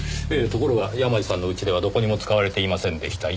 ところが山路さんの家ではどこにも使われていませんでした。